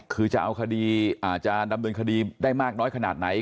คือจะเอาคดีอาจจะดำเนินคดีได้มากน้อยขนาดไหน